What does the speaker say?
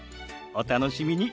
お楽しみに。